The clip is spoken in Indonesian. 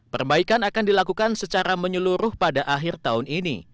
perbaikan akan dilakukan secara menyeluruh pada akhir tahun ini